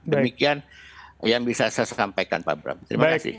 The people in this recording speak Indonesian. demikian yang bisa saya sampaikan pak bram terima kasih